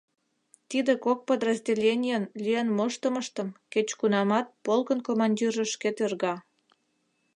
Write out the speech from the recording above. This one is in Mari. Тиде кок подразделенийын лӱен моштымыштым кеч-кунамат полкын командирже шке терга.